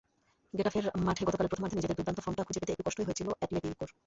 গেটাফের মাঠে গতকাল প্রথমার্ধে নিজেদের দুর্দান্ত ফর্মটা খুঁজে পেতে একটু কষ্টই হয়েছিল অ্যাটলেটিকোর।